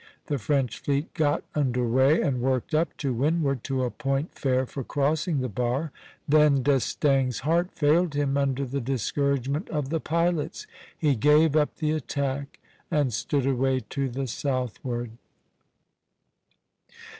The French fleet got under way, and worked up to windward to a point fair for crossing the bar. Then D'Estaing's heart failed him under the discouragement of the pilots; he gave up the attack and stood away to the southward.